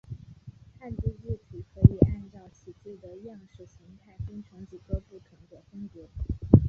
汉字字体可以按照其字的样式形态分成几个不同的风格。